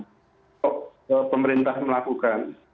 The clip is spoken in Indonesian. kalau pemerintah melakukan